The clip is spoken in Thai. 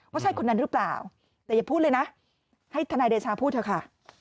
ว่าใช่คนนั้นหรือเปล่าแต่อย่าพูดเลยนะให้ทนายเดชาพูดเถอะค่ะ